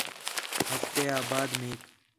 ہفتے آ بعد میک